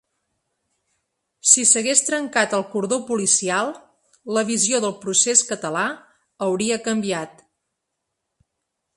Si s’hagués trencat el cordó policial, la visió del procés català hauria canviat.